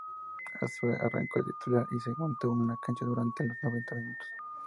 Azogue arrancó de titular y se mantuvo en cancha durante los noventa minutos.